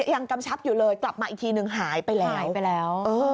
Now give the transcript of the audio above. ยังกำชับอยู่เลยกลับมาอีกทีหนึ่งหายไปแล้ว